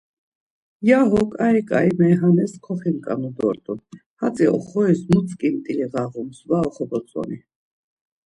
Yaho ǩai ǩai meyhanes koxinǩanu dort̆un hatzi oxoris mu tzǩint̆ili ğağums var oxobotzoni.